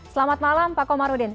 selamat malam pak komarudin